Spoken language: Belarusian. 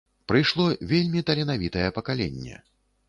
Прыйшло вельмі таленавітае пакаленне.